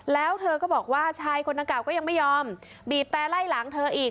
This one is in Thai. แล้วเธอก็บอกว่าชายคนนางเก่าก็ยังไม่ยอมบีบแต่ไล่หลังเธออีก